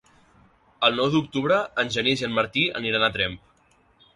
El nou d'octubre en Genís i en Martí aniran a Tremp.